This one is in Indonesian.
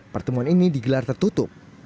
pertemuan ini digelar tertutup